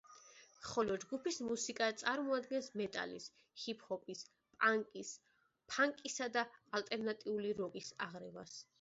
ხოლო ჯგუფის მუსიკა წარმოადგენს მეტალის, ჰიპ ჰოპის, პანკის, ფანკისა და ალტერნატიული როკის აღრევას.